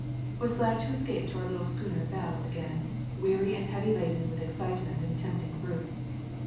Was glad to escape to our little schooner Belle again, weary and heavy laden with excitement and tempting fruits.